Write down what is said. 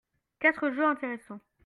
quatre jeux intéressants.